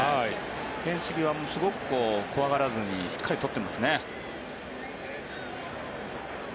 フェンス際、すごく怖がらずにしっかりとってますね。